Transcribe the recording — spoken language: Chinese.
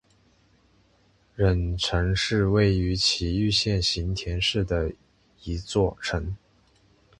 忍城是位在崎玉县行田市的一座城。